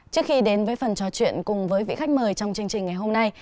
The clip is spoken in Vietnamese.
trước khi đến với phần trò chuyện cùng với vị khách mời trong chương trình ngày hôm nay